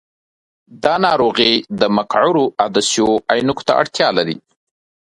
دا ناروغي د مقعرو عدسیو عینکو ته اړتیا لري.